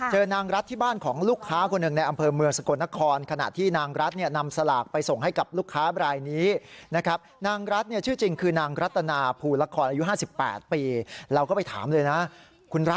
เจอนางรัฐที่บ้านของลูกค้าในอำเภอเมืองสกนคร